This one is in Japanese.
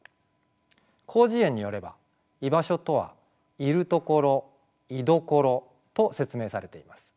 「広辞苑」によれば「居場所」とは「いるところ。いどころ」と説明されています。